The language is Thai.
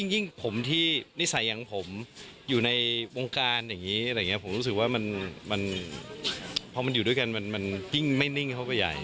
ยิ่งผมที่นิสัยอย่างผมอยู่ในวงการอย่างนี้อะไรอย่างนี้ผมรู้สึกว่ามันพอมันอยู่ด้วยกันมันยิ่งไม่นิ่งเข้าไปใหญ่